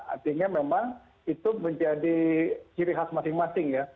artinya memang itu menjadi ciri khas masing masing ya